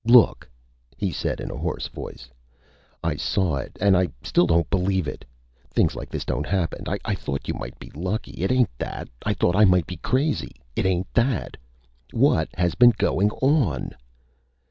"Look!" he said in a hoarse voice. "I saw it, an' I still don't believe it! Things like this don't happen! I thought you might be lucky. It ain't that. I thought I might be crazy. It ain't that! What has been goin' on?"